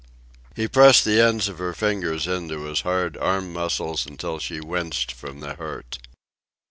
He pressed the ends of her fingers into his hard arm muscles until she winced from the hurt.